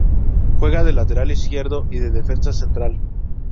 Juega de lateral izquierdo, y defensa central.